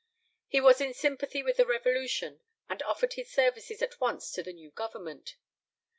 He was in sympathy with the revolution and offered his services at once to the new Government.